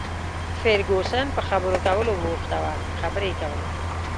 فرګوسن په خبرو کولو بوخته وه، خبرې یې کولې.